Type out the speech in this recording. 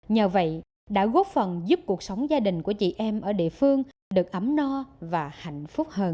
nhờ vậy đã góp phần giúp cuộc sống gia đình của chị em ở địa phương được ấm no và hạnh phúc hơn